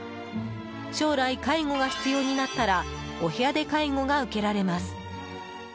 将来、介護が必要になったらお部屋で介護が受けられます。